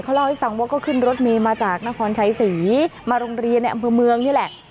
เล่าให้ฟังว่าก็ขึ้นรถเมย์มาจากนครชัยศรีมาโรงเรียนในอำเภอเมืองนี่แหละ